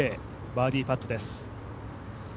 バーディーパットです。